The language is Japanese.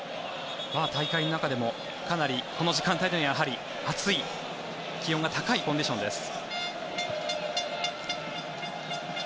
大会の中でもこの時間帯というのは暑い気温が高いコンディションです。